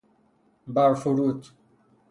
برفرود